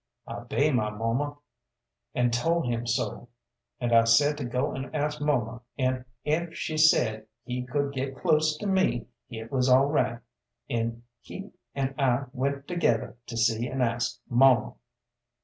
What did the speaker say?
I 'bey my muma, an' tol' him so, and I said to go an' ask muma an' ef she sed he could get close to me hit was alright. An' he an' I went to gether to see and ask muma.